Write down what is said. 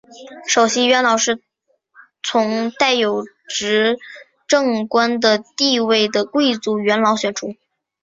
首席元老是从带有执政官的地位的贵族元老选出。